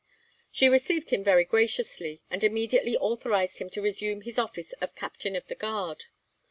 She received him very graciously, and immediately authorised him to resume his office of Captain of the Guard.